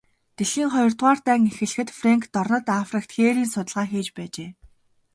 Дэлхийн хоёрдугаар дайн эхлэхэд Фрэнк дорнод Африкт хээрийн судалгаа хийж байжээ.